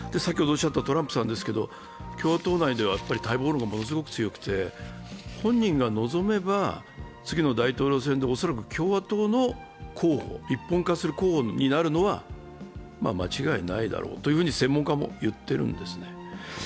トランプさんですけど、共和党内では待望論がものすごく強くて本人が望めば、次の大統領選で恐らく共和党の候補、一本化する候補になるのは間違いないだろうと専門家も言っているんですね。